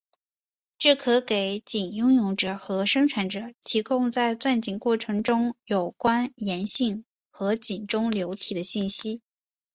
这可给井拥有者和生产者提供在钻井过程中有关岩性和井中流体的信息。